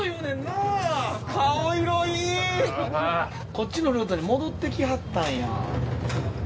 こっちのルートに戻ってきはったんや。